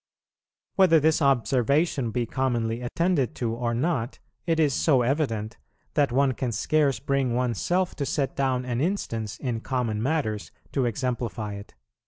Whether this observation be commonly attended to or not, it is so evident that one can scarce bring one's self to set down an instance in common matters to exemplify it."